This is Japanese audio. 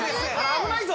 危ないぞ。